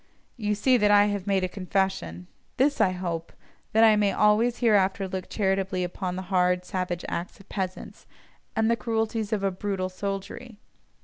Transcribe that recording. You see that I have made a confession: this I hope—that I may always hereafter look charitably upon the hard, savage acts of peasants, and the cruelties of a "brutal" soldiery.